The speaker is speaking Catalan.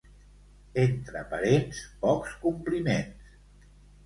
Entre parents, pocs compliments.